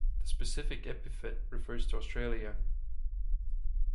The specific epithet refers to Australia.